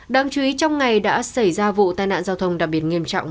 đáng chú ý trong ngày đã xảy ra vụ tai nạn giao thông đặc biệt nghiêm trọng